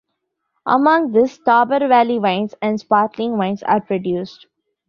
Among this Tauber valley wines and sparkling wines are produced.